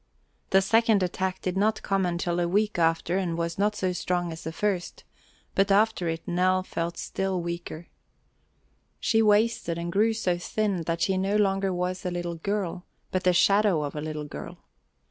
The second attack did not come until a week after and was not so strong as the first, but after it Nell felt still weaker. She wasted and grew so thin that she no longer was a little girl, but the shadow of a little girl.